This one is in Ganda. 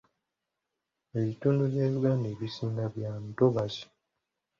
Ebitundu bya Uganda ebisinga bya ntobazi.